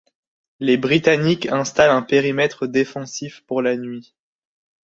Les Britanniques installent un périmètre défensif pour la nuit.